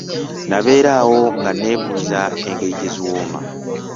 Nabeera awo nga neebuuza engeri gye ziwooma.